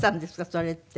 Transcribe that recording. それって。